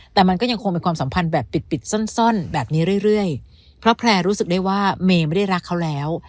แต่มันก็ยังคงเป็นความสัมพันธ์แบบปิดปิดซ่อนแบบนี้เรื่อยเพราะแพร่รู้สึกได้ว่าเมย์ไม่ได้รักเขาแล้ว